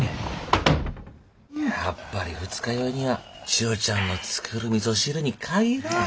やっぱり二日酔いには千代ちゃんの作るみそ汁に限るわ。